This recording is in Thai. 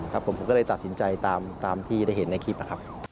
ครับผมผมก็เลยตัดสินใจตามที่ได้เห็นในคลิปนะครับ